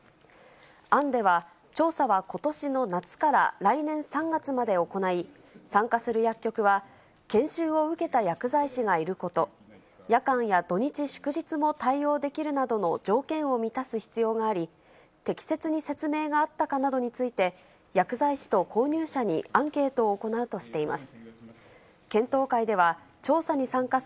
案では、調査はことしの夏から来年３月まで行い、参加する薬局は研修を受けた薬剤師がいること、夜間や土日祝日も対応できるなどの条件を満たす必要があり、適切に説明があったかなどについて、薬剤師と購入者にアンケートを行うとしています。